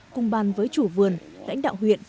cùng bàn với chủ vườn lãnh đạo huyện